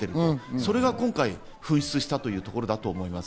それが噴出したということだと思います。